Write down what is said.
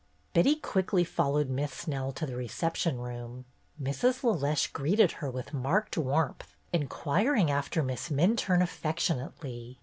Betty quickly followed Miss Snell to the re ception room. Mrs. LeLeche greeted her with marked warmth, inquiring after Miss Min turne affectionately.